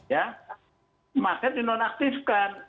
ya makanya dinonaktifkan